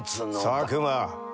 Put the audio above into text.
佐久間。